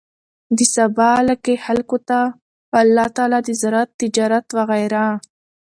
د سبا علاقې خلکو ته الله تعالی د زراعت، تجارت وغيره